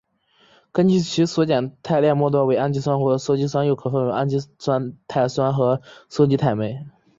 根据其所剪切肽链末端为氨基端或羧基端又可分为氨基肽酶和羧基肽酶。